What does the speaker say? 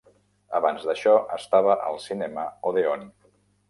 Abans d'això, estava al cinema Odeon.